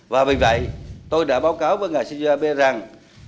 và vì vậy tôi đã báo cáo với ngài abe rằng